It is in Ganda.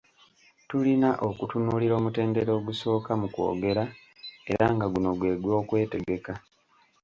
Tulina okutunuulira omutendera ogusooka mu kwogera era nga guno gwe gw’okwetegeka.